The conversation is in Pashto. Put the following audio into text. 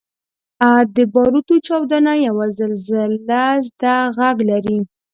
• د باروتو چاودنه یو زلزلهزده ږغ لري.